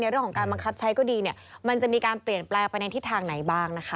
เรื่องของการบังคับใช้ก็ดีเนี่ยมันจะมีการเปลี่ยนแปลงไปในทิศทางไหนบ้างนะคะ